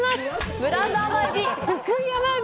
ブランド甘エビ